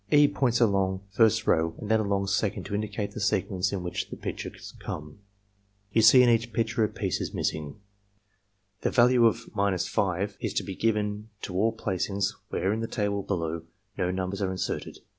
(E, points along first row and then along second to indicate the sequence in which the pictures come.) You see in each picture a piece is missing. Scoring of completion test [The value of minus 6 is to be given to all plaeings where in the table below no numbers are inserted.